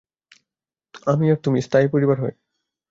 আমি আর তুমি, স্থায়ী পরিবার হয়ে?